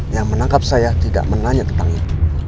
yang menangkap saya tidak menanya tentang itu